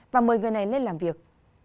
và mời người này lên làm việc